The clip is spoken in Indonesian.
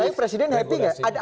tapi presiden happy nggak